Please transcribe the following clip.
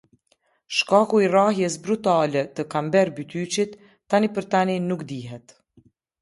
Shkaku i rrahjes brutale të Kamber Bytyçit, tani për tani nuk dihet.